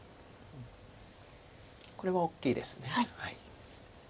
これは大きいです。